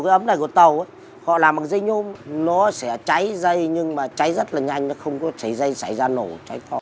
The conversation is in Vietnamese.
cái ấm này của tàu họ làm bằng dây nhôm nó sẽ cháy dây nhưng mà cháy rất là nhanh nó không có cháy dây xảy ra nổ cháy